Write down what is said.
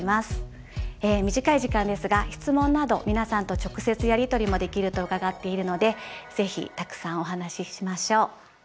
短い時間ですが質問など皆さんと直接やり取りもできると伺っているのでぜひたくさんお話ししましょう。